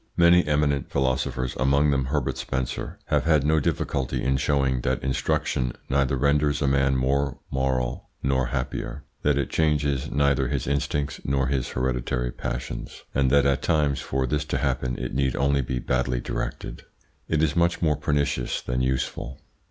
Many eminent philosophers, among them Herbert Spencer, have had no difficulty in showing that instruction neither renders a man more moral nor happier, that it changes neither his instincts nor his hereditary passions, and that at times for this to happen it need only be badly directed it is much more pernicious than useful.